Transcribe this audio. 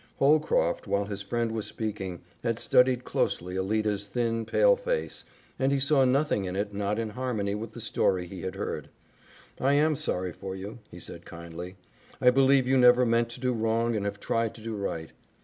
Holcroft, while his friend was speaking, had studied closely Alida's thin, pale face, and he saw nothing in it not in harmony with the story he had heard. "I am sorry for you," he said kindly. "I believe you never meant to do wrong and have tried to do right.